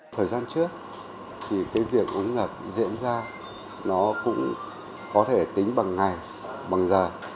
thời gian trước thì cái việc ứng ngập diễn ra nó cũng có thể tính bằng ngày bằng giờ